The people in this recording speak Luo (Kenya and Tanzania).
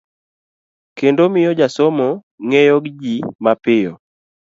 kendo miyo jasomo ng'eyogi mapiyo